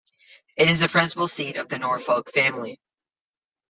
It is the principal seat of the Norfolk family.